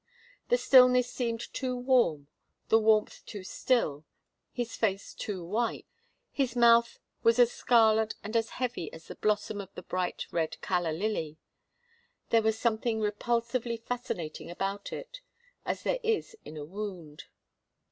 The stillness seemed too warm the warmth too still his face too white his mouth was as scarlet and as heavy as the blossom of the bright red calla lily. There was something repulsively fascinating about it, as there is in a wound.